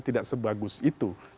tidak sebagus itu